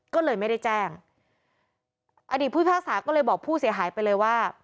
ก็เลยไม่ได้แจ้งอดีตผู้พิพากษาก็เลยบอกผู้เสียหายไปเลยว่า